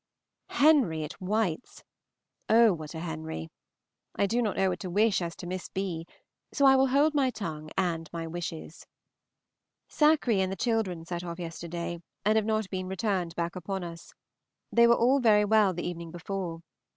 Henry at White's! Oh, what a Henry! I do not know what to wish as to Miss B., so I will hold my tongue and my wishes. Sackree and the children set off yesterday, and have not been returned back upon us. They were all very well the evening before.